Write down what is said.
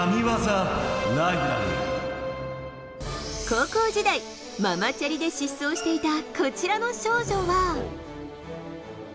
高校時代、ママチャリで疾走していたこちらの少女は。